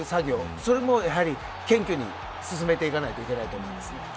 それもやはり謙虚に進めていかないといけないと思います。